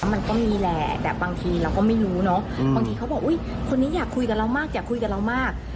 มันก็มีแหละแต่บางทีเราก็ไม่รู้เนอะบางทีเขาบอกอุ้ยคนนี้อยากคุยกับเรามากอยากคุยกับเรามาก